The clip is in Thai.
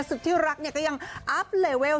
สุขที่รักก็ยังอัพเลเวล